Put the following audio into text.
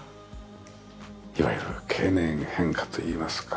いわゆる経年変化といいますか。